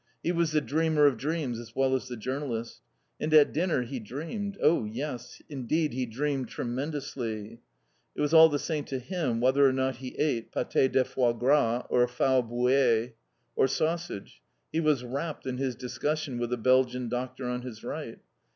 He was the dreamer of dreams as well as the journalist. And at dinner he dreamed Oh, yes, indeed, he dreamed tremendously. It was all the same to him whether or not he ate pâté de fois gras, or fowl bouillé, or sausage. He was rapt in his discussion with the Belgian Doctor on his right.